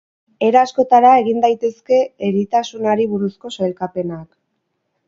Era askotara egin daitezke eritasunari buruzko sailkapenak.